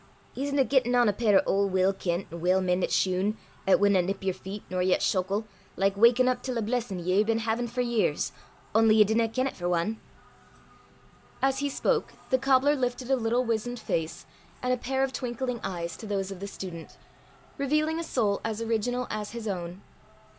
"Isna gettin' on a pair o' auld weel kent an' weel men'it shune, 'at winna nip yer feet nor yet shochle, like waukin' up til a blessin' ye hae been haein' for years, only ye didna ken 't for ane?" As he spoke, the cobbler lifted a little wizened face and a pair of twinkling eyes to those of the student, revealing a soul as original as his own.